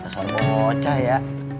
suara bocah ya